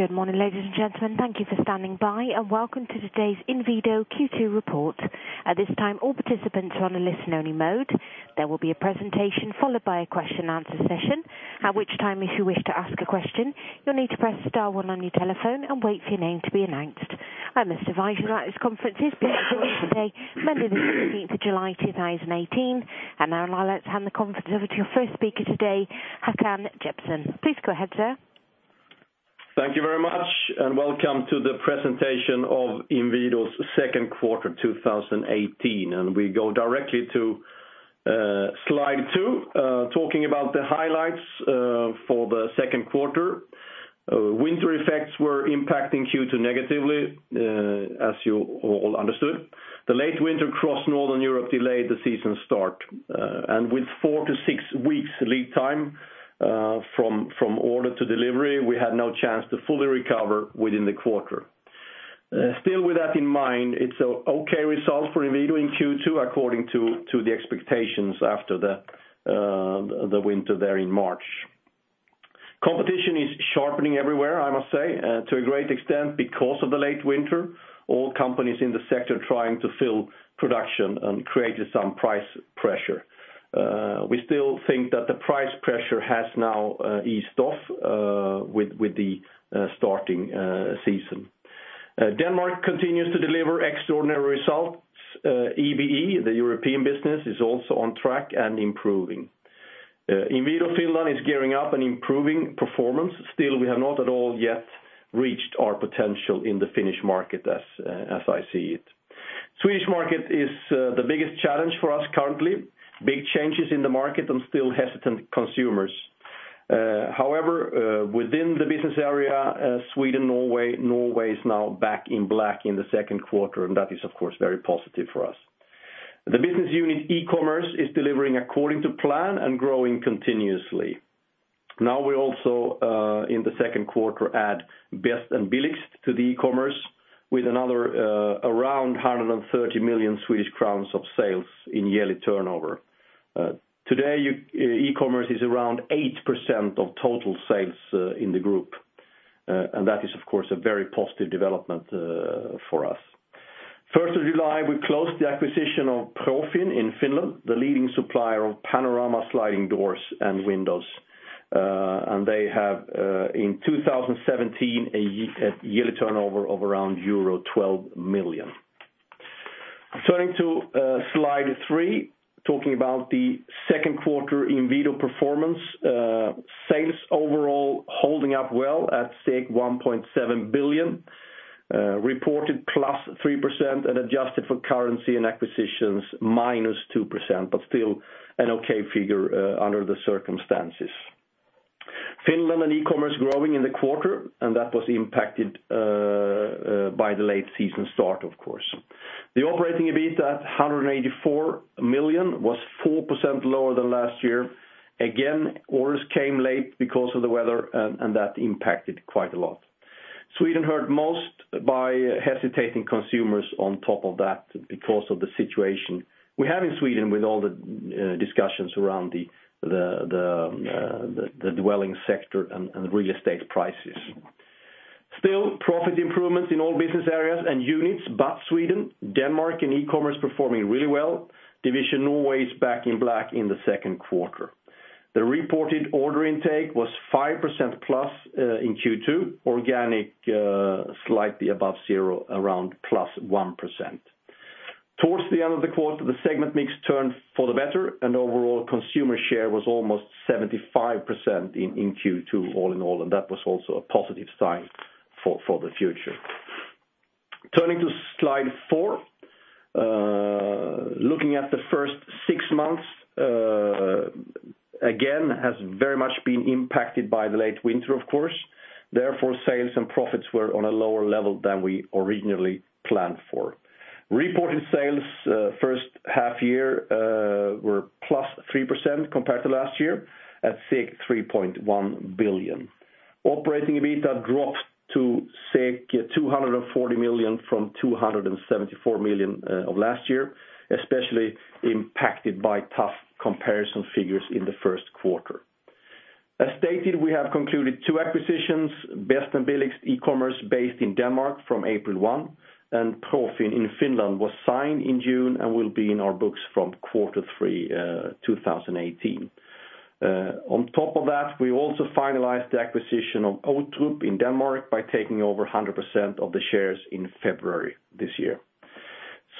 Good morning, ladies and gentlemen. Thank you for standing by, and welcome to today's Inwido Q2 report. At this time, all participants are on a listen-only mode. There will be a presentation followed by a question-and-answer session, at which time if you wish to ask a question, you'll need to press star one on your telephone and wait for your name to be announced. I must advise you that this conference is being recorded today, Monday the 17th of July 2018, and now I'd like to hand the conference over to your first speaker today, Håkan Jeppsson. Please go ahead, sir. Thank you very much, welcome to the presentation of Inwido's second quarter 2018, we go directly to slide two, talking about the highlights for the second quarter. Winter effects were impacting Q2 negatively, as you all understood. The late winter across Northern Europe delayed the season start, with four to six weeks lead time from order to delivery, we had no chance to fully recover within the quarter. Still, with that in mind, it's an okay result for Inwido in Q2 according to the expectations after the winter there in March. Competition is sharpening everywhere, I must say, to a great extent because of the late winter. All companies in the sector trying to fill production and created some price pressure. We still think that the price pressure has now eased off with the starting season. Denmark continues to deliver extraordinary results. EBE, the European business, is also on track and improving. Inwido Finland is gearing up and improving performance. Still, we have not at all yet reached our potential in the Finnish market as I see it. Swedish market is the biggest challenge for us currently. Big changes in the market and still hesitant consumers. However, within the business area Sweden-Norway, Norway is now back in black in the second quarter, that is, of course, very positive for us. The business unit e-Commerce is delivering according to plan and growing continuously. Now we also, in the second quarter, add Bedst & Billigst to the e-Commerce with another around 130 million Swedish crowns of sales in yearly turnover. Today, e-Commerce is around 8% of total sales in the group, that is, of course, a very positive development for us. First of July, we closed the acquisition of Profin in Finland, the leading supplier of Panorama sliding doors and windows. They have, in 2017, a yearly turnover of around euro 12 million. Turning to slide three, talking about the second quarter Inwido performance. Sales overall holding up well at 1.7 billion, reported plus 3% and adjusted for currency and acquisitions, minus 2%, still an okay figure under the circumstances. Finland and e-Commerce growing in the quarter, and that was impacted by the late season start, of course. The operating EBIT at 184 million was 4% lower than last year. Again, orders came late because of the weather, and that impacted quite a lot. Sweden hurt most by hesitating consumers on top of that because of the situation we have in Sweden with all the discussions around the dwelling sector and the real estate prices. Still, profit improvements in all business areas and units, Sweden, Denmark, and e-Commerce performing really well. Division Norway is back in black in the second quarter. The reported order intake was 5%+ in Q2, organic slightly above zero, around +1%. Towards the end of the quarter, the segment mix turned for the better and overall consumer share was almost 75% in Q2 all in all, that was also a positive sign for the future. Turning to slide four. Looking at the first six months, again, has very much been impacted by the late winter, of course. Sales and profits were on a lower level than we originally planned for. Reported sales first half-year were +3% compared to last year at 3.1 billion. Operating EBITA dropped to 240 million from 274 million of last year, especially impacted by tough comparison figures in the first quarter. As stated, we have concluded two acquisitions, Bedst & Billigst e-Commerce based in Denmark from April 1, and Profin in Finland was signed in June and will be in our books from quarter three 2018. On top of that, we also finalized the acquisition of Outrup Vinduer & Døre in Denmark by taking over 100% of the shares in February this year.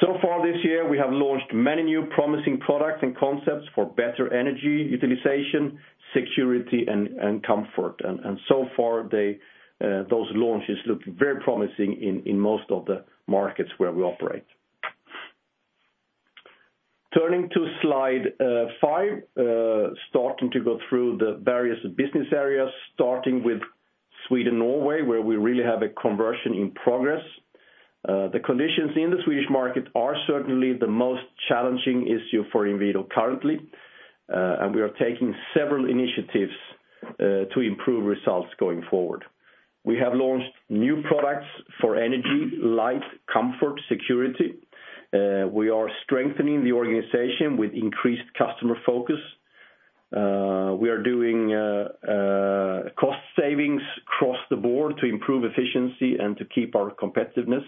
So far this year, we have launched many new promising products and concepts for better energy utilization, security, and comfort. So far, those launches look very promising in most of the markets where we operate. Turning to slide five, starting to go through the various business areas, starting with Sweden-Norway, where we really have a conversion in progress. The conditions in the Swedish market are certainly the most challenging issue for Inwido currently, we are taking several initiatives to improve results going forward. We have launched new products for energy, light, comfort, security. We are strengthening the organization with increased customer focus. We are doing cost savings across the board to improve efficiency and to keep our competitiveness.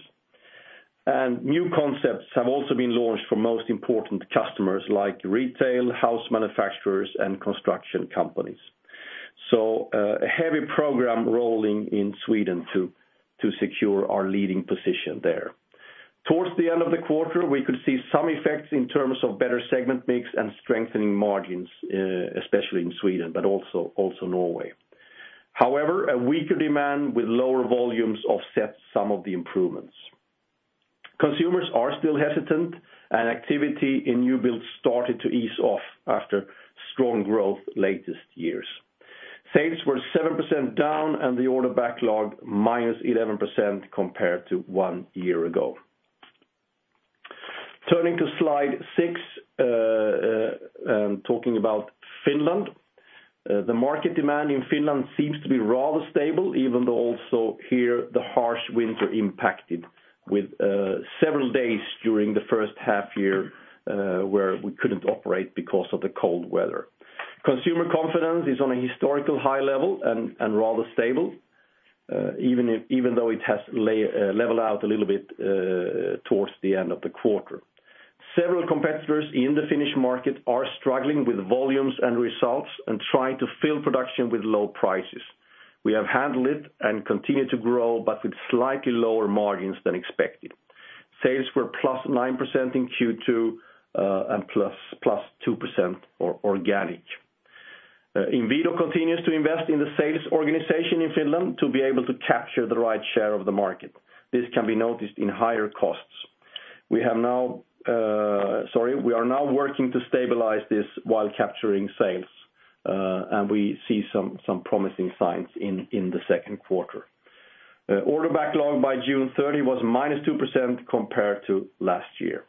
New concepts have also been launched for most important customers like retail, house manufacturers, and construction companies. A heavy program rolling in Sweden to secure our leading position there. Towards the end of the quarter, we could see some effects in terms of better segment mix and strengthening margins, especially in Sweden, but also Norway. However, a weaker demand with lower volumes offset some of the improvements. Consumers are still hesitant, activity in new builds started to ease off after strong growth latest years. Sales were -7% down, the order backlog -11% compared to one year ago. Turning to slide six, talking about Finland. The market demand in Finland seems to be rather stable, even though also here the harsh winter impacted with several days during the first half year where we couldn't operate because of the cold weather. Consumer confidence is on a historical high level and rather stable, even though it has leveled out a little bit towards the end of the quarter. Several competitors in the Finnish market are struggling with volumes and results and trying to fill production with low prices. We have handled it, continue to grow, with slightly lower margins than expected. Sales were +9% in Q2 and +2% organic. Inwido continues to invest in the sales organization in Finland to be able to capture the right share of the market. This can be noticed in higher costs. We are now working to stabilize this while capturing sales, and we see some promising signs in the second quarter. Order backlog by June 30 was -2% compared to last year.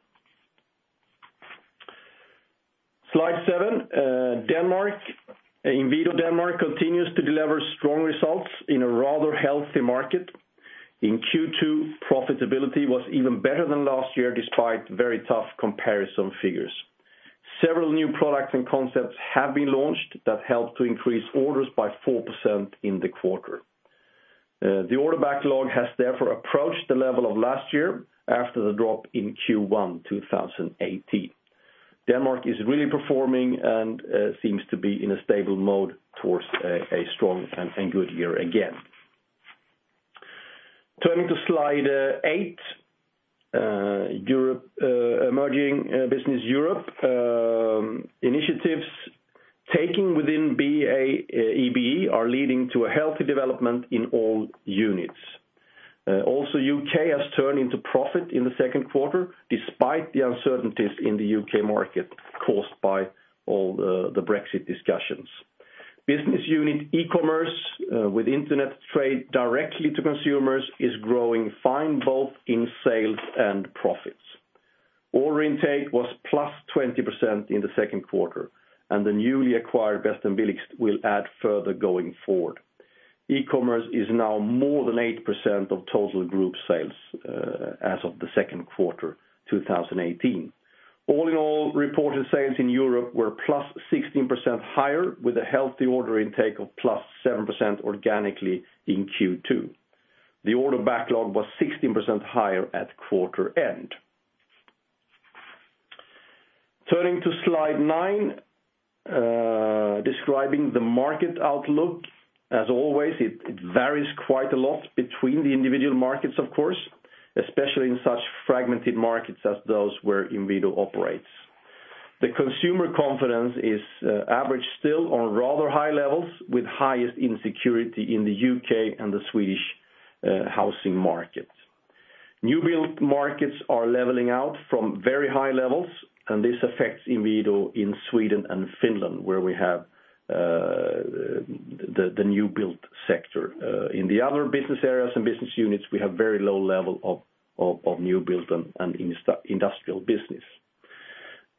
Slide seven, Denmark. Inwido Denmark continues to deliver strong results in a rather healthy market. In Q2, profitability was even better than last year, despite very tough comparison figures. Several new products and concepts have been launched that help to increase orders by 4% in the quarter. The order backlog has therefore approached the level of last year after the drop in Q1 2018. Denmark is really performing and seems to be in a stable mode towards a strong and good year again. Turning to slide eight, Emerging Business Europe. Initiatives taken within BA EBE are leading to a healthy development in all units. U.K. has turned into profit in the second quarter, despite the uncertainties in the U.K. market caused by all the Brexit discussions. Business unit e-Commerce with Internet trade directly to consumers is growing fine both in sales and profits. Order intake was +20% in the second quarter, and the newly acquired Bedst & Billigst will add further going forward. e-Commerce is now more than 8% of total group sales as of the second quarter 2018. All in all, reported sales in Europe were +16% higher, with a healthy order intake of +7% organically in Q2. The order backlog was 16% higher at quarter end. Turning to slide nine, describing the market outlook. As always, it varies quite a lot between the individual markets, of course, especially in such fragmented markets as those where Inwido operates. The consumer confidence is average still on rather high levels, with highest insecurity in the U.K. and the Swedish housing market. New build markets are leveling out from very high levels, and this affects Inwido in Sweden and Finland, where we have the new build sector. In the other business areas and business units, we have very low level of new build and industrial business.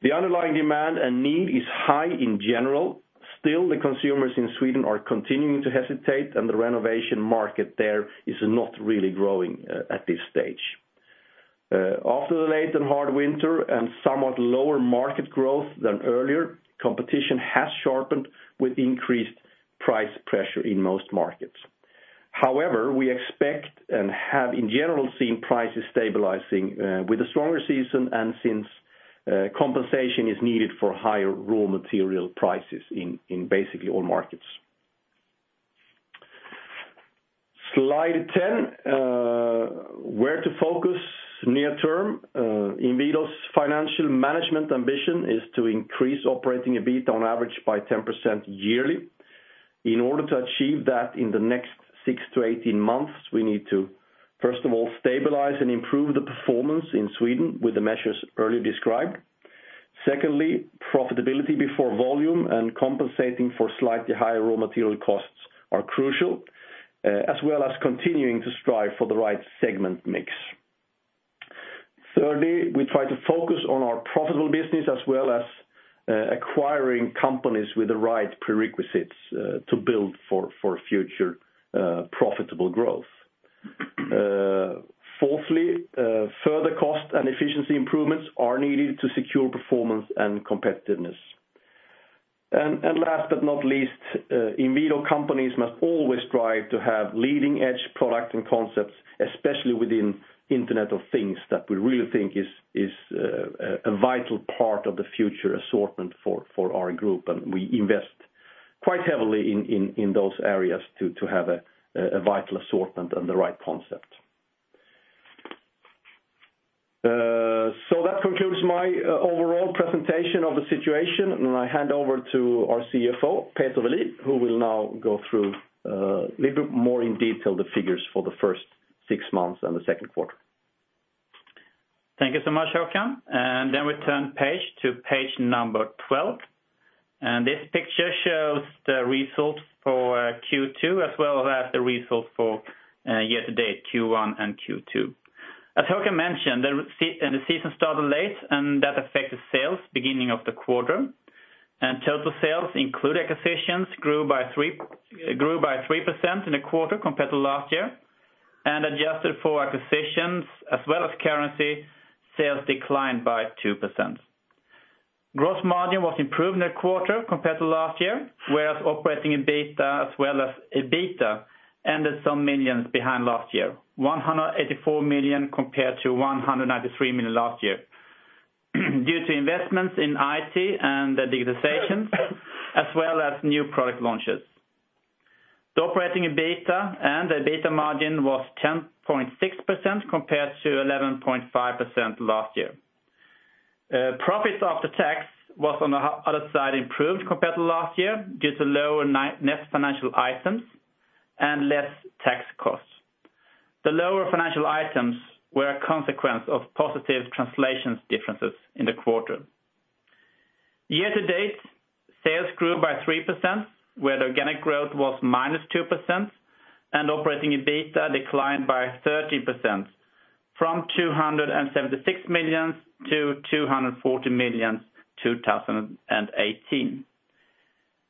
The underlying demand and need is high in general. The consumers in Sweden are continuing to hesitate, and the renovation market there is not really growing at this stage. After the late and hard winter and somewhat lower market growth than earlier, competition has sharpened with increased price pressure in most markets. We expect and have in general seen prices stabilizing with a stronger season and since compensation is needed for higher raw material prices in basically all markets. Slide 10, where to focus near term. Inwido's financial management ambition is to increase operating EBIT on average by 10% yearly. In order to achieve that in the next six to 18 months, we need to, first of all, stabilize and improve the performance in Sweden with the measures earlier described. Secondly, profitability before volume and compensating for slightly higher raw material costs are crucial, as well as continuing to strive for the right segment mix. Thirdly, we try to focus on our profitable business as well as acquiring companies with the right prerequisites to build for future profitable growth. Fourthly, further cost and efficiency improvements are needed to secure performance and competitiveness. Last but not least, Inwido companies must always strive to have leading-edge product and concepts, especially within Internet of Things, that we really think is a vital part of the future assortment for our group. We invest quite heavily in those areas to have a vital assortment and the right concept. That concludes my overall presentation of the situation, I hand over to our CFO, Peter Welin, who will now go through a little bit more in detail the figures for the first six months and the second quarter. Thank you so much, Håkan. We turn page to page 12. This picture shows the results for Q2 as well as the results for year-to-date Q1 and Q2. As Håkan mentioned, the season started late, and that affected sales beginning of the quarter. Total sales, including acquisitions, grew by 3% in the quarter compared to last year, and adjusted for acquisitions as well as currency, sales declined by 2%. Gross margin was improved in the quarter compared to last year, whereas operating EBITDA as well as EBITA ended some million behind last year, 184 million compared to 193 million last year, due to investments in IT and the digitalization, as well as new product launches. The operating EBITDA and the EBITA margin was 10.6% compared to 11.5% last year. Profit after tax was on the other side improved compared to last year due to lower net financial items and less tax costs. The lower financial items were a consequence of positive translations differences in the quarter. Year-to-date, sales grew by 3%, where the organic growth was -2% and operating EBITDA declined by 13%, from 276 million to 240 million in 2018.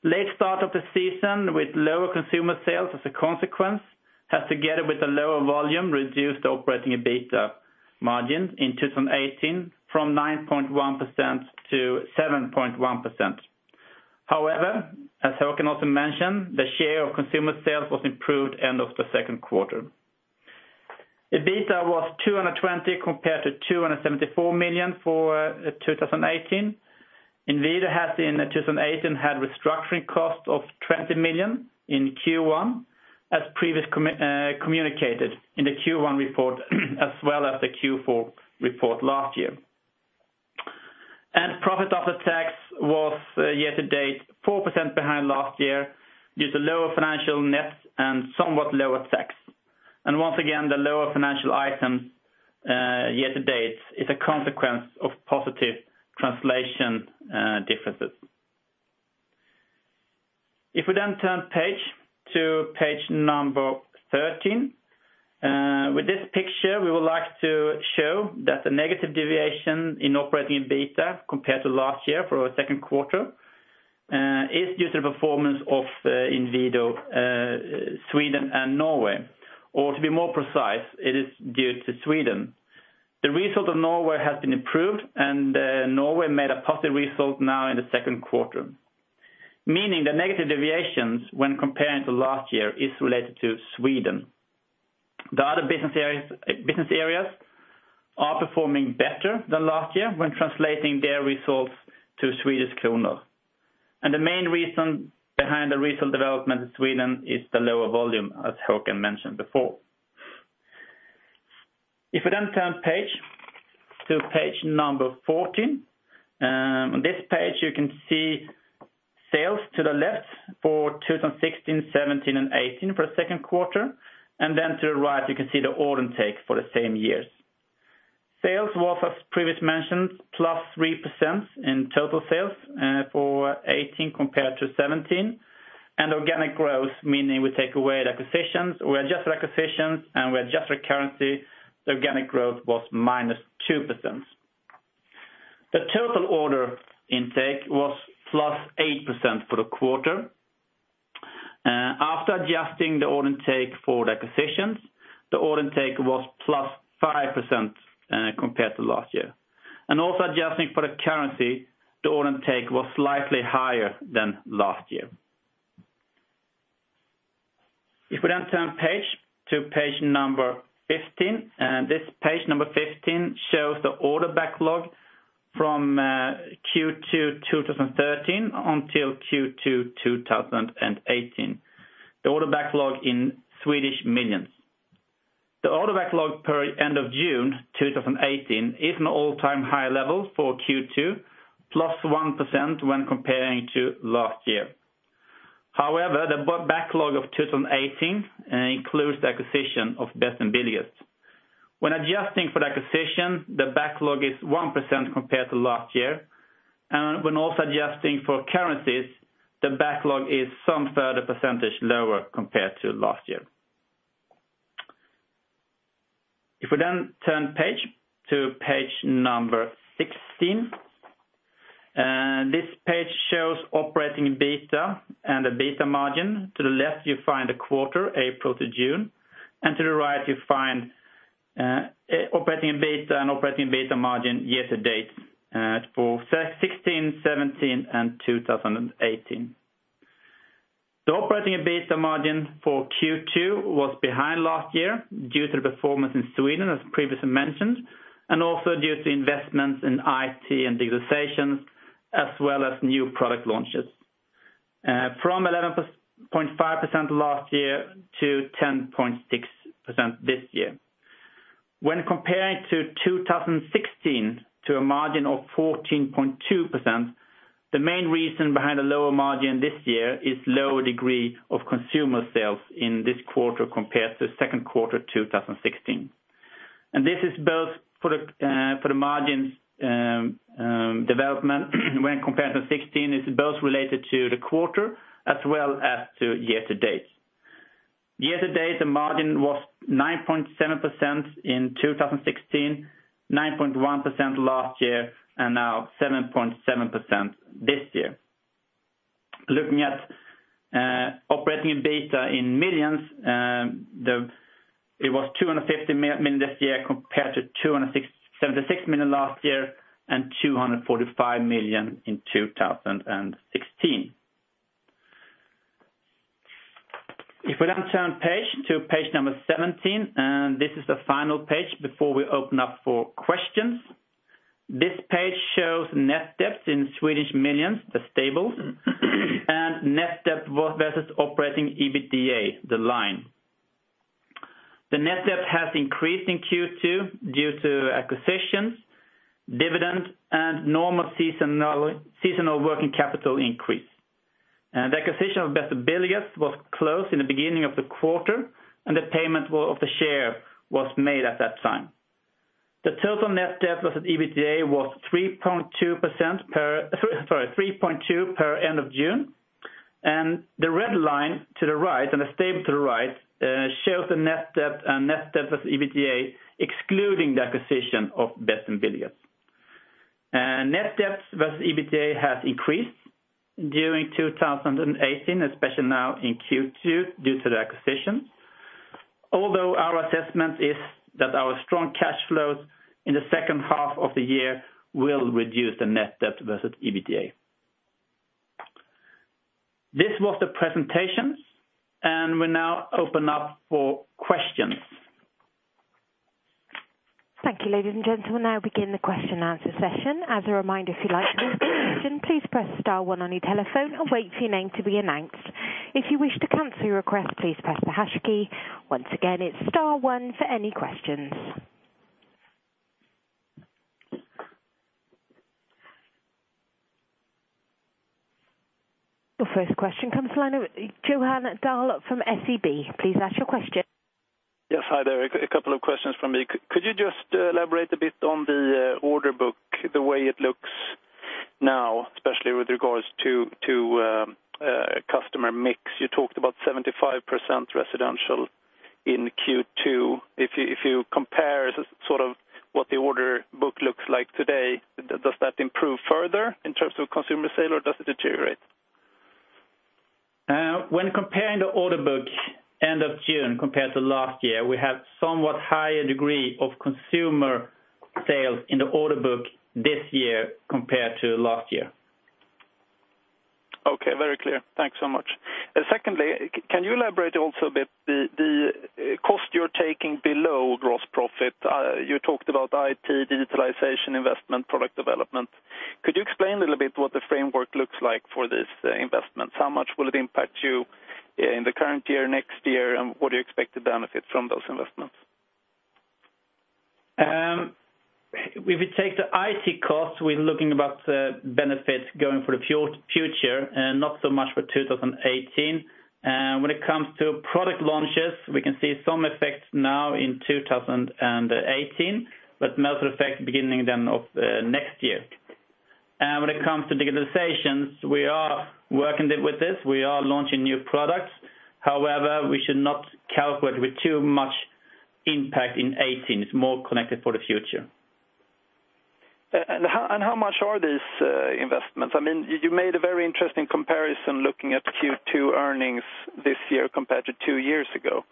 Late start of the season with lower consumer sales as a consequence, has, together with the lower volume, reduced the operating EBITDA margin in 2018 from 9.1% to 7.1%. However, as Håkan also mentioned, the share of consumer sales was improved end of the second quarter. EBITA was 220 million compared to 274 million for 2018. Inwido has in 2018 had restructuring cost of 20 million in Q1, as previously communicated in the Q1 report as well as the Q4 report last year. Profit after tax was year-to-date 4% behind last year due to lower financial net and somewhat lower tax. Once again, the lower financial item year-to-date is a consequence of positive translation differences. If we turn page to page 13. With this picture, we would like to show that the negative deviation in operating EBITDA compared to last year for our second quarter is due to the performance of Inwido, Sweden and Norway, or to be more precise, it is due to Sweden. The result of Norway has been improved, and Norway made a positive result now in the second quarter, meaning the negative deviations when comparing to last year is related to Sweden. The other business areas are performing better than last year when translating their results to SEK. The main reason behind the recent development in Sweden is the lower volume, as Håkan mentioned before. If we turn to page 14. On this page, you can see sales to the left for 2016, 2017, and 2018 for the second quarter, and to the right, you can see the order intake for the same years. Sales was, as previously mentioned, +3% in total sales for 2018 compared to 2017. Organic growth, meaning we take away acquisitions, we adjust acquisitions and we adjust for currency, the organic growth was -2%. The total order intake was +8% for the quarter. After adjusting the order intake for the acquisitions, the order intake was +5% compared to last year. Also adjusting for the currency, the order intake was slightly higher than last year. If we turn to page 15, this page 15 shows the order backlog from Q2 2013 until Q2 2018, the order backlog in millions. The order backlog per end of June 2018 is an all-time high level for Q2, +1% when comparing to last year. However, the backlog of 2018 includes the acquisition of Bedst & Billigst. When adjusting for the acquisition, the backlog is 1% compared to last year. When also adjusting for currencies, the backlog is some further percentage lower compared to last year. If we turn to page 16. This page shows operating EBITA and the EBITA margin. To the left, you find the quarter, April to June, and to the right you find operating EBITA and operating EBITA margin year to date for 2016, 2017, and 2018. The operating EBITA margin for Q2 was behind last year due to the performance in Sweden, as previously mentioned, and also due to investments in IT and digitalization, as well as new product launches. From 11.5% last year to 10.6% this year. When comparing to 2016 to a margin of 14.2%, the main reason behind the lower margin this year is lower degree of consumer sales in this quarter compared to second quarter 2016. This is both for the margins development when compared to 2016, it's both related to the quarter as well as to year-to-date. Year-to-date, the margin was 9.7% in 2016, 9.1% last year, and now 7.7% this year. Looking at operating EBITDA in millions, it was 250 million this year compared to 276 million last year and 245 million in 2016. If we now turn to page 17. This is the final page before we open up for questions. This page shows net debt in millions, the stables, and net debt versus operating EBITDA, the line. The net debt has increased in Q2 due to acquisitions, dividend, and normal seasonal working capital increase. The acquisition of Bedst & Billigst was closed in the beginning of the quarter, and the payment of the share was made at that time. The total net debt versus EBITDA was 3.2 per end of June. The red line to the right and the stable to the right, shows the net debt and net debt versus EBITDA, excluding the acquisition of Bedst & Billigst. Net debt versus EBITDA has increased during 2018, especially now in Q2 due to the acquisition. Although our assessment is that our strong cash flows in the second half of the year will reduce the net debt versus EBITDA. This was the presentation, and we now open up for questions. Thank you, ladies and gentlemen. We now begin the question and answer session. As a reminder, if you'd like to ask a question, please press star one on your telephone and wait for your name to be announced. If you wish to cancel your request, please press the hash key. Once again, it's star one for any questions. The first question comes from the line with Johan Dahl from SEB. Please ask your question. Yes. Hi there. A couple of questions from me. Could you just elaborate a bit on the order book, the way it looks now, especially with regards to customer mix? You talked about 75% residential in Q2. If you compare what the order book looks like today, does that improve further in terms of consumer sale or does it deteriorate? When comparing the order book end of June compared to last year, we had somewhat higher degree of consumer sales in the order book this year compared to last year. Okay, very clear. Thanks so much. Can you elaborate also a bit the cost you're taking below gross profit? You talked about IT, digitalization investment, product development. Could you explain a little bit what the framework looks like for this investment? How much will it impact you in the current year, next year, and what do you expect to benefit from those investments? If we take the IT cost, we're looking about the benefits going for the future, and not so much for 2018. When it comes to product launches, we can see some effects now in 2018, but most effects beginning then of next year. When it comes to digitalizations, we are working with this. We are launching new products. We should not calculate with too much impact in 2018. It's more connected for the future. How much are these investments? You made a very interesting comparison looking at Q2 earnings this year compared to two years ago,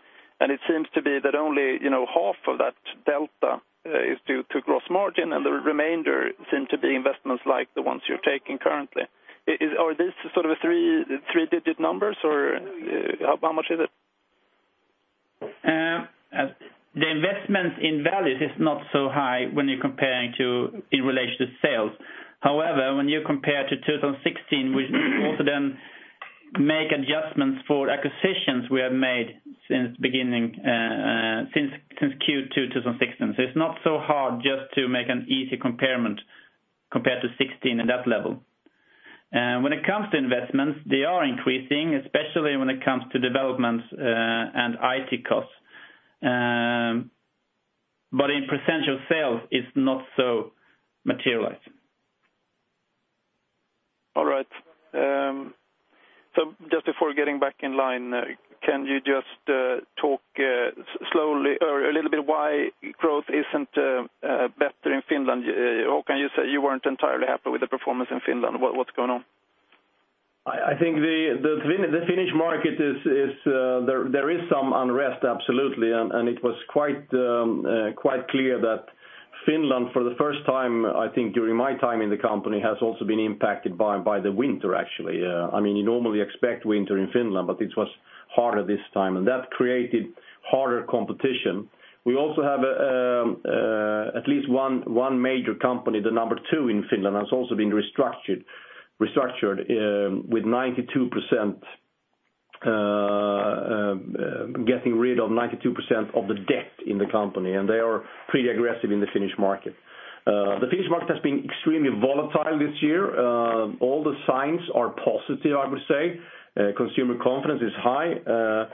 and it seems to be that only half of that delta is due to gross margin and the remainder seem to be investments like the ones you're taking currently. Are these three-digit numbers or how much is it? The investment in value is not so high when you're comparing to in relation to sales. When you compare to 2016, we also then make adjustments for acquisitions we have made since Q2 2016. It's not so hard just to make an easy comparison compared to 2016 at that level. When it comes to investments, they are increasing, especially when it comes to developments and IT costs. In percentage of sales, it's not so materialized Before getting back in line, can you just talk a little bit why growth isn't better in Finland? How can you say you weren't entirely happy with the performance in Finland? What's going on? I think the Finnish market, there is some unrest absolutely. It was quite clear that Finland, for the first time, I think during my time in the company, has also been impacted by the winter, actually. You normally expect winter in Finland, but it was harder this time, that created harder competition. We also have at least one major company, the number 2 in Finland, has also been restructured, with getting rid of 92% of the debt in the company, they are pretty aggressive in the Finnish market. The Finnish market has been extremely volatile this year. All the signs are positive, I would say. Consumer confidence is high.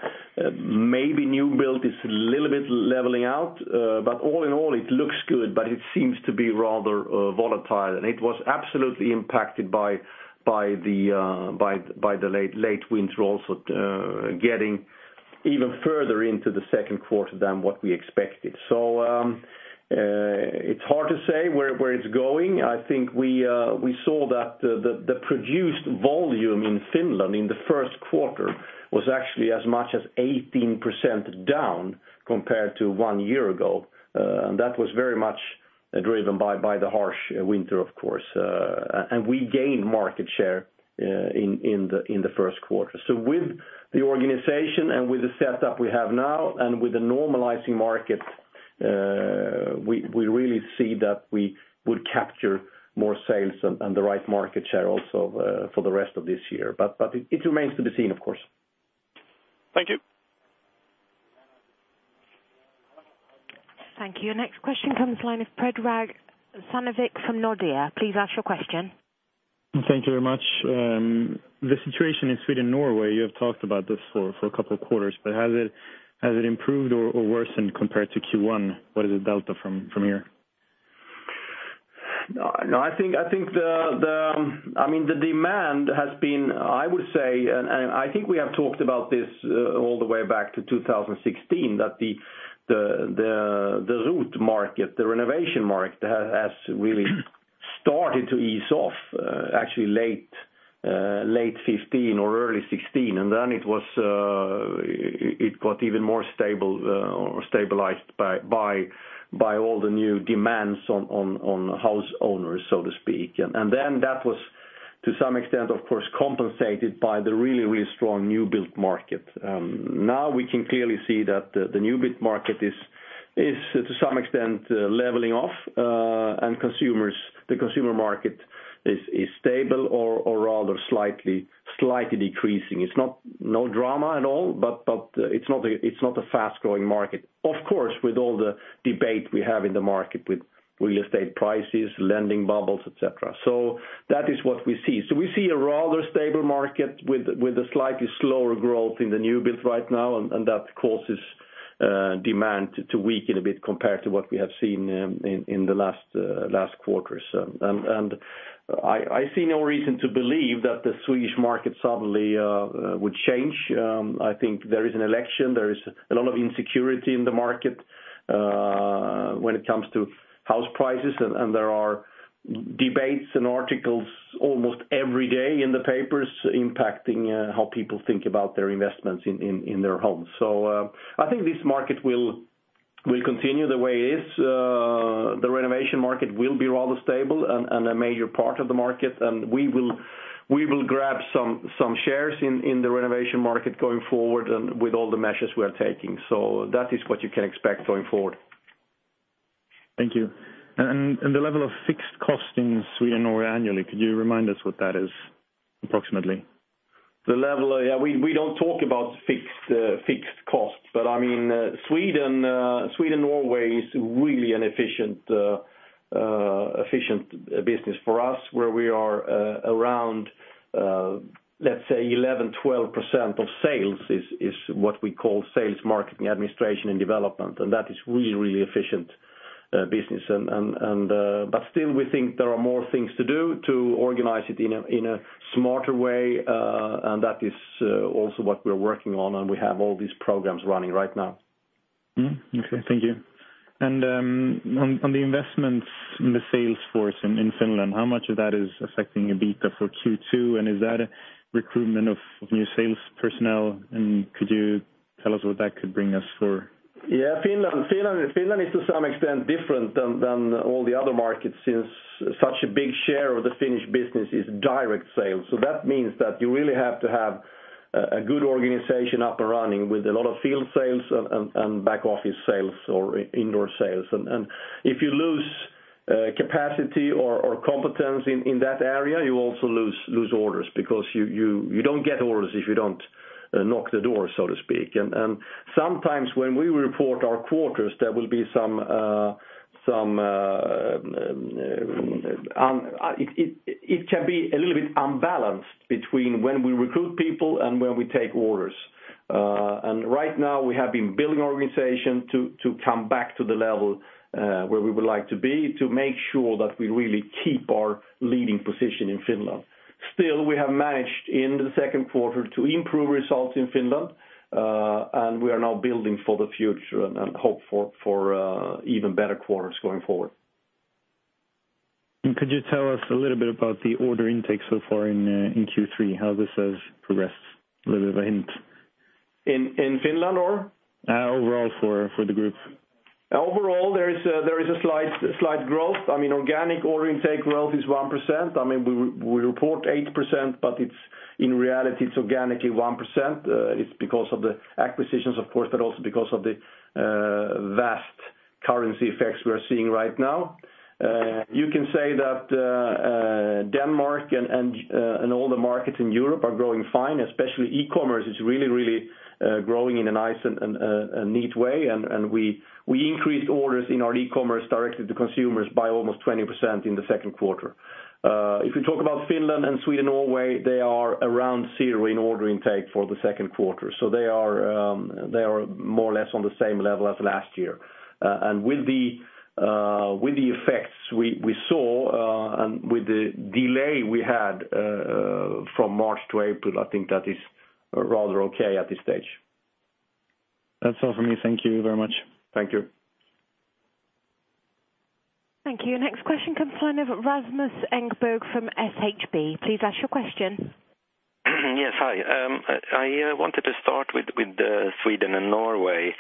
Maybe new build is a little bit leveling out. All in all, it looks good, it seems to be rather volatile. It was absolutely impacted by the late winter also, getting even further into the second quarter than what we expected. It's hard to say where it's going. I think we saw that the produced volume in Finland in the first quarter was actually as much as 18% down compared to one year ago. That was very much driven by the harsh winter, of course. We gained market share in the first quarter. With the organization and with the setup we have now and with the normalizing market, we really see that we would capture more sales and the right market share also for the rest of this year. It remains to be seen, of course. Thank you. Thank you. Next question comes Line of Predrag Savovic from Nordea. Please ask your question. Thank you very much. The situation in Sweden-Norway, you have talked about this for a couple of quarters, but has it improved or worsened compared to Q1? What is the delta from here? I think the demand has been, I would say, and I think we have talked about this all the way back to 2016, that the retrofit market, the renovation market, has really started to ease off, actually late 2015 or early 2016. Then it got even more stable or stabilized by all the new demands on house owners, so to speak. Then that was, to some extent, of course, compensated by the really strong new build market. Now we can clearly see that the new build market is, to some extent, leveling off, and the consumer market is stable or rather slightly decreasing. It's no drama at all, but it's not a fast-growing market. Of course, with all the debate we have in the market with real estate prices, lending bubbles, et cetera. That is what we see. We see a rather stable market with a slightly slower growth in the new build right now, and that causes demand to weaken a bit compared to what we have seen in the last quarters. I see no reason to believe that the Swedish market suddenly would change. I think there is an election, there is a lot of insecurity in the market when it comes to house prices, and there are debates and articles almost every day in the papers impacting how people think about their investments in their homes. I think this market will continue the way it is. The renovation market will be rather stable and a major part of the market, and we will grab some shares in the renovation market going forward and with all the measures we are taking. That is what you can expect going forward. Thank you. The level of fixed cost in Sweden or annually, could you remind us what that is approximately? We don't talk about fixed costs, Sweden-Norway is really an efficient business for us, where we are around, let's say, 11%-12% of sales is what we call sales, marketing, administration, and development. That is really efficient business. Still, we think there are more things to do to organize it in a smarter way, that is also what we're working on, and we have all these programs running right now. Okay, thank you. On the investments in the sales force in Finland, how much of that is affecting EBITA for Q2? Is that a recruitment of new sales personnel? Could you tell us what that could bring us for? Yeah, Finland is to some extent different than all the other markets since such a big share of the Finnish business is direct sales. That means that you really have to have a good organization up and running with a lot of field sales and back office sales or indoor sales. If you lose capacity or competence in that area, you also lose orders because you don't get orders if you don't knock the door, so to speak. Sometimes when we report our quarters, it can be a little bit unbalanced between when we recruit people and when we take orders. Right now we have been building organization to come back to the level where we would like to be, to make sure that we really keep our leading position in Finland. We have managed in the second quarter to improve results in Finland, we are now building for the future and hope for even better quarters going forward. Could you tell us a little bit about the order intake so far in Q3, how this has progressed? A little bit of a hint. In Finland? Overall for the group. Overall, there is a slight growth. Organic order intake growth is 1%. We report 8%, but in reality it's organically 1%. It's because of the acquisitions, of course, but also because of the vast currency effects we are seeing right now. You can say that Denmark and all the markets in Europe are growing fine, especially e-Commerce is really growing in a nice and neat way. We increased orders in our e-Commerce directly to consumers by almost 20% in the second quarter. If you talk about Finland and Sweden-Norway, they are around zero in order intake for the second quarter. They are more or less on the same level as last year. With the effects we saw, and with the delay we had from March to April, I think that is rather okay at this stage. That's all from me. Thank you very much. Thank you. Thank you. Next question comes line of Rasmus Engberg from Handelsbanken. Please ask your question. Yes, hi. I wanted to start with Sweden-Norway.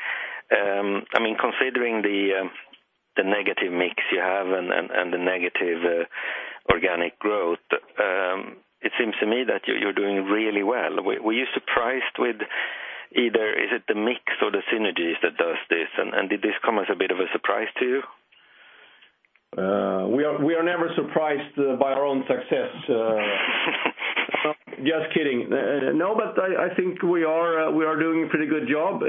Considering the negative mix you have and the negative organic growth, it seems to me that you're doing really well. Were you surprised with either is it the mix or the synergies that does this, and did this come as a bit of a surprise to you? We are never surprised by our own success. Just kidding. No, I think we are doing a pretty good job.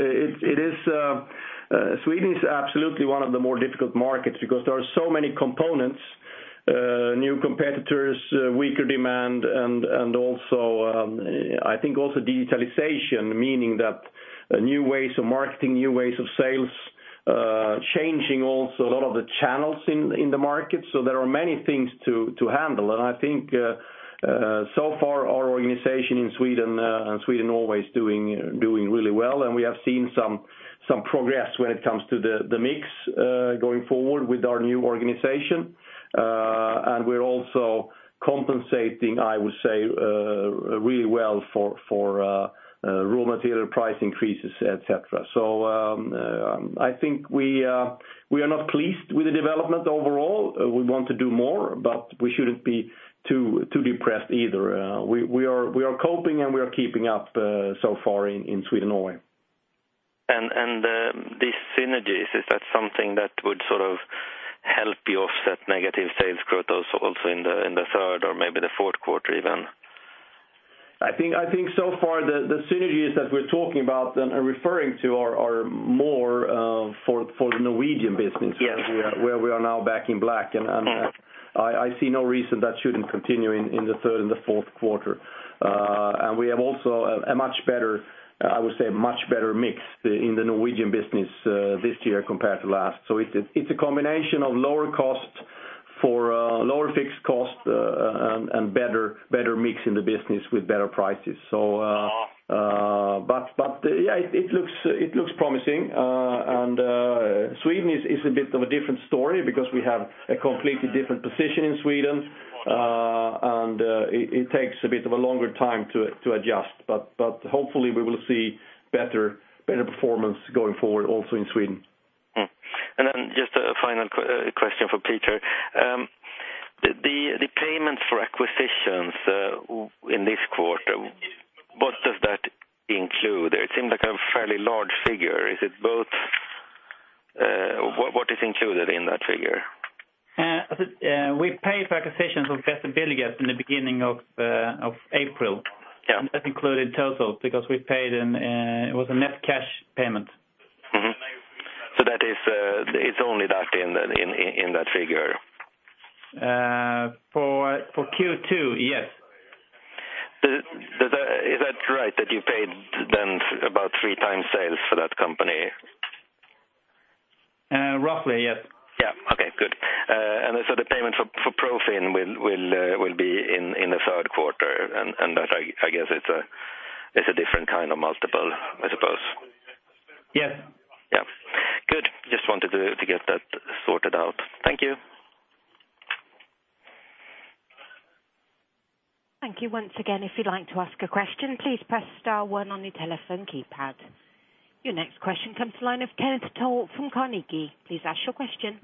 Sweden is absolutely one of the more difficult markets because there are so many components, new competitors, weaker demand, and I think also digitalization, meaning that new ways of marketing, new ways of sales, changing also a lot of the channels in the market. There are many things to handle. I think so far our organization in Sweden and Sweden-Norway is doing really well, and we have seen some progress when it comes to the mix, going forward with our new organization. We're also compensating, I would say, really well for raw material price increases, et cetera. I think we are not pleased with the development overall. We want to do more, but we shouldn't be too depressed either. We are coping, and we are keeping up so far in Sweden-Norway. The synergies, is that something that would sort of help you offset negative sales growth also in the third or maybe the fourth quarter even? I think so far the synergies that we're talking about and referring to are more for the Norwegian business. Yes Where we are now back in black, I see no reason that shouldn't continue in the third and the fourth quarter. We have also, I would say, a much better mix in the Norwegian business this year compared to last. It's a combination of lower fixed cost and better mix in the business with better prices. Okay. Yeah, it looks promising. Sweden is a bit of a different story because we have a completely different position in Sweden, and it takes a bit of a longer time to adjust. Hopefully we will see better performance going forward also in Sweden. Just a final question for Peter. The payments for acquisitions in this quarter, what does that include? It seemed like a fairly large figure. What is included in that figure? We paid for acquisitions of Bedst & Billigst in the beginning of April. Yeah. That included total because it was a net cash payment. Mm-hmm. It's only that in that figure? For Q2, yes. Is that right, that you paid then about 3x sales for that company? Roughly, yes. Yeah. Okay, good. The payment for Profin will be in the third quarter. That, I guess it's a different kind of multiple, I suppose. Yes. Yeah. Good. Just wanted to get that sorted out. Thank you. Thank you once again. If you'd like to ask a question, please press star one on your telephone keypad. Your next question comes to line of Kenneth Toll from Carnegie. Please ask your question.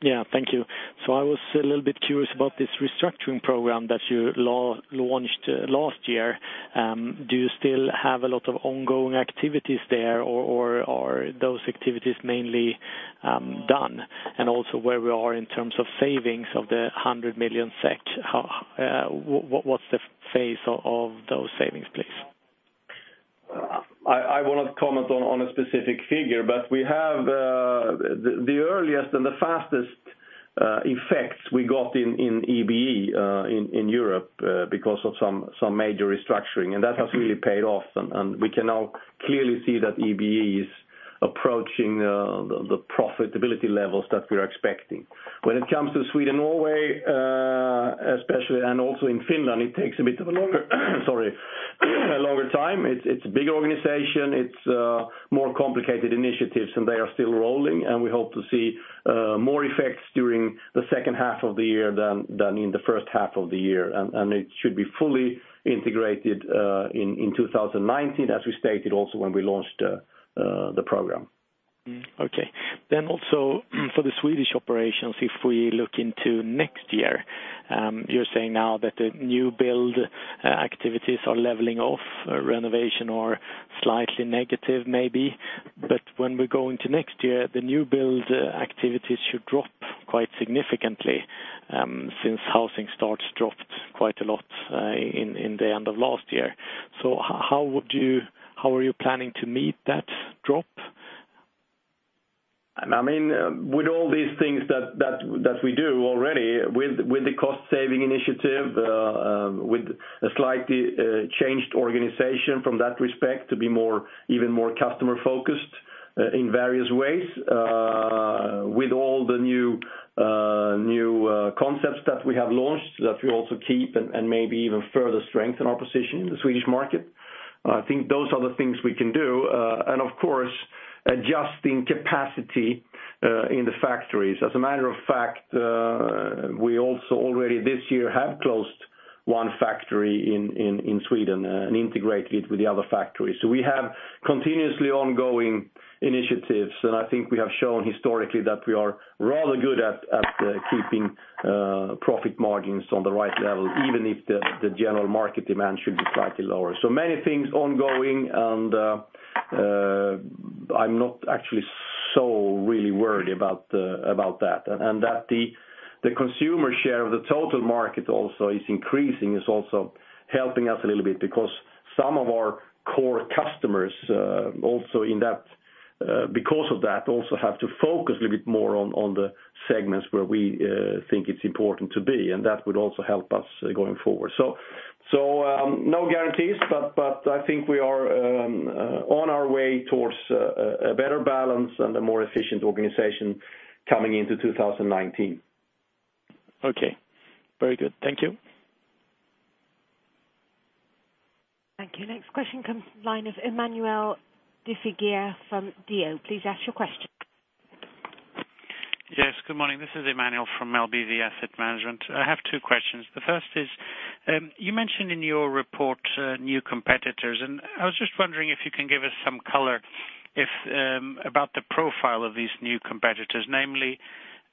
Yeah, thank you. I was a little bit curious about this restructuring program that you launched last year. Do you still have a lot of ongoing activities there, or are those activities mainly done? Also where we are in terms of savings of the 100 million SEK, what's the phase of those savings, please? I will not comment on a specific figure. We have the earliest and the fastest effects we got in EBE in Europe because of some major restructuring, and that has really paid off. We can now clearly see that EBE is approaching the profitability levels that we're expecting. When it comes to Sweden-Norway, especially, and also in Finland, it takes a longer time. It's a big organization, it's more complicated initiatives, and they are still rolling, and we hope to see more effects during the second half of the year than in the first half of the year. It should be fully integrated in 2019, as we stated also when we launched the program. Okay. Also for the Swedish operations, if we look into next year, you're saying now that the new build activities are leveling off, renovation or slightly negative maybe. When we go into next year, the new build activities should drop quite significantly since housing starts dropped quite a lot in the end of last year. How are you planning to meet that drop? With all these things that we do already, with the cost-saving initiative, with a slightly changed organization from that respect to be even more customer-focused in various ways, with all the new concepts that we have launched, that we also keep and maybe even further strengthen our position in the Swedish market. I think those are the things we can do, and of course, adjusting capacity in the factories. As a matter of fact, we also already this year have closed one factory in Sweden and integrated with the other factories. We have continuously ongoing initiatives, and I'm not actually so really worried about that. That the consumer share of the total market also is increasing is also helping us a little bit because some of our core customers, because of that, also have to focus a little bit more on the segments where we think it's important to be, and that would also help us going forward. No guarantees, but I think we are on our way towards a better balance and a more efficient organization coming into 2019. Okay. Very good. Thank you. Thank you. Next question comes from the line of Emmanuel de Figueiredo from [DNB]. Please ask your question. Yes, good morning. This is Emmanuel from LBV Asset Management. I have two questions. The first is, you mentioned in your report, new competitors. I was just wondering if you can give us some color about the profile of these new competitors. Namely,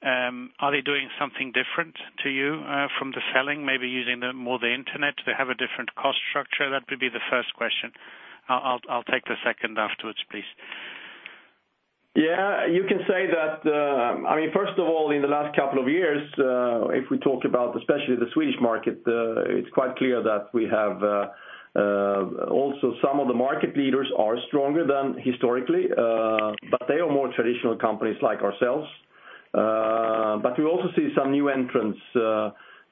are they doing something different to you from the selling, maybe using more the internet? Do they have a different cost structure? That would be the first question. I'll take the second afterwards, please. First of all, in the last couple of years, if we talk about especially the Swedish market, it's quite clear that we have also some of the market leaders are stronger than historically, but they are more traditional companies like ourselves. We also see some new entrants,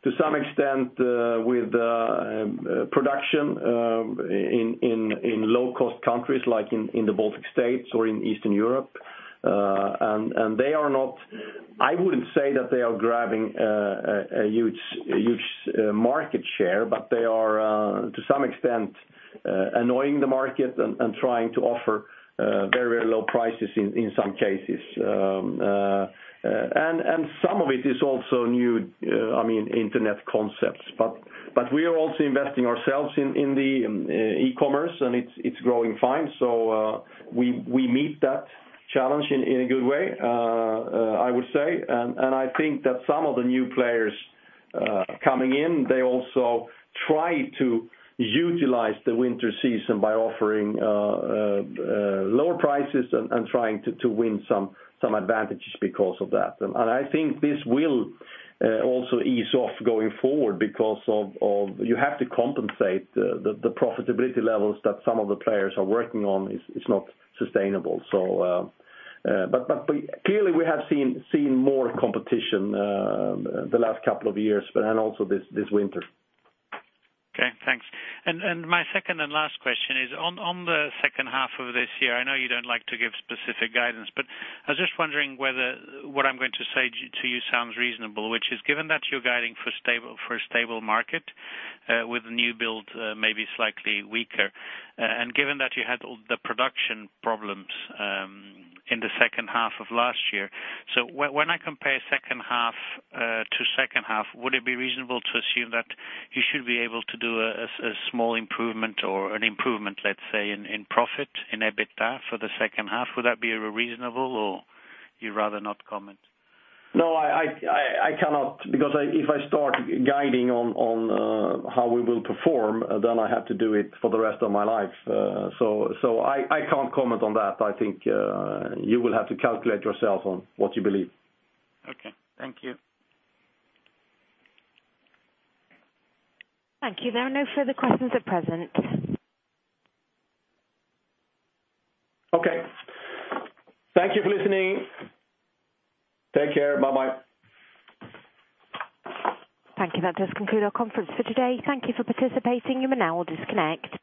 to some extent, with production in low-cost countries, like in the Baltic States or in Eastern Europe. I wouldn't say that they are grabbing a huge market share, but they are, to some extent, annoying the market and trying to offer very low prices in some cases. Some of it is also new internet concepts. We are also investing ourselves in the e-Commerce, and it's growing fine. We meet that challenge in a good way, I would say. I think that some of the new players coming in, they also try to utilize the winter season by offering lower prices and trying to win some advantages because of that. I think this will also ease off going forward because you have to compensate the profitability levels that some of the players are working on is not sustainable. Clearly, we have seen more competition the last couple of years, and also this winter. Okay, thanks. My second and last question is on the second half of this year. I know you don't like to give specific guidance. I was just wondering whether what I'm going to say to you sounds reasonable, which is given that you're guiding for a stable market with new build, maybe slightly weaker, and given that you had all the production problems in the second half of last year. When I compare second half to second half, would it be reasonable to assume that you should be able to do a small improvement or an improvement, let's say, in profit, in EBITDA for the second half? Would that be reasonable, or you'd rather not comment? No, I cannot, because if I start guiding on how we will perform, then I have to do it for the rest of my life. I can't comment on that. I think you will have to calculate yourself on what you believe. Okay. Thank you. Thank you. There are no further questions at present. Okay. Thank you for listening. Take care. Bye-bye. Thank you. That does conclude our conference for today. Thank you for participating. You may now disconnect.